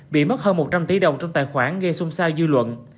bị mất hơn một trăm linh tỷ đồng trong tài khoản gây xung sao dư luận